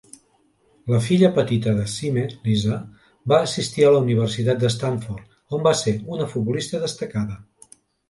La filla petita de Sime, Lisa, va assistir a la Universitat de Stanford, on va ser una futbolista destacada.